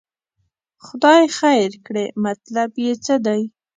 خدای خیر کړي، مطلب یې څه دی.